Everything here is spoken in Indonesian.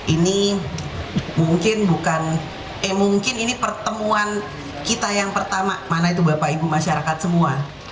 ini mungkin bukan eh mungkin ini pertemuan kita yang pertama mana itu bapak ibu masyarakat semua